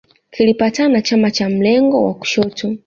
Kilipatana na chama cha mlengo wa kushoto